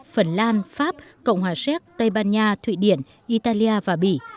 phần lan pháp cộng hòa séc tây ban nha thụy điển italia và bỉ